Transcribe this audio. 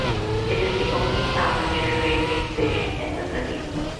It is the only passenger railway station in the city.